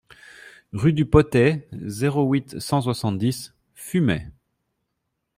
Rue du Potay, zéro huit, cent soixante-dix Fumay